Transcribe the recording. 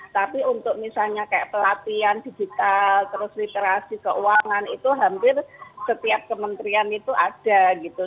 tapi untuk misalnya kayak pelatihan digital terus literasi keuangan itu hampir setiap kementerian itu ada gitu